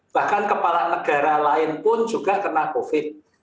bahkan kepala negara lain pun juga kena covid